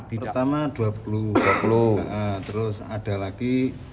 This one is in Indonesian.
pertama dua puluh terus ada lagi sepuluh